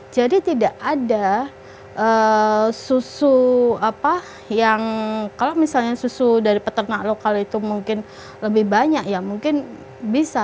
tidak ada susu yang kalau misalnya susu dari peternak lokal itu mungkin lebih banyak ya mungkin bisa